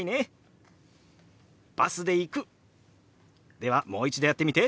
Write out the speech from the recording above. ではもう一度やってみて。